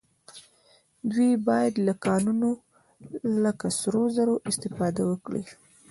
دوی باید له کانونو لکه سرو زرو استفاده وکړي